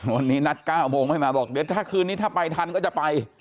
วันนี้นัด๙โมงไม่มาบอกเดี๋ยวถ้าคืนนี้ถ้าไปทันก็จะไป